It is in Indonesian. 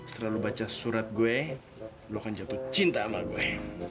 selalu baca surat gue lu akan jatuh cinta sama gue